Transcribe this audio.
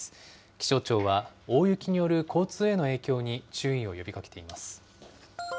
気象庁は大雪による交通への影響に注意を呼びかけています。